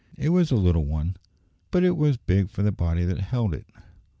It was a little one too, but it was big for the body that held it.